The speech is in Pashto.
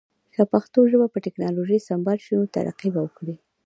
که پښتو ژبه په ټکنالوژی سمبال شی نو ترقی به وکړی